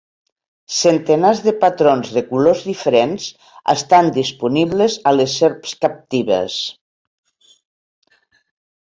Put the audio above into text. Centenars de patrons de colors diferents estan disponibles a les serps captives.